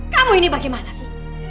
kamu ini bagaimana sih